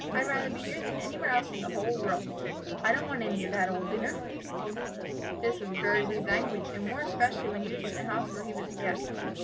I'd rather be here than anywhere else in the world. I don't want any of that old dinner!' "This was very rude language, and more especially when used in a house where he was a guest.